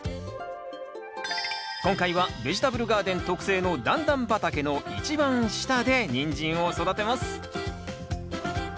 今回はベジタブルガーデン特製の段々畑の一番下でニンジンを育てます。